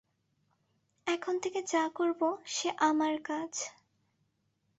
এখন থেকে যা করব, সে আমার কাজ।